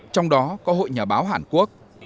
trong đó có hội nhà báo hàn quốc